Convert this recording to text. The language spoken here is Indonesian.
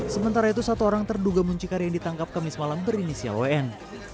sementara itu satu orang terduga muncikari yang ditangkap kamis malam berinisial wn